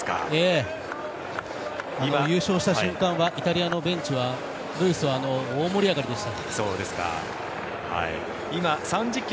優勝した瞬間はイタリアのベンチ、ブースは大盛り上がりでした。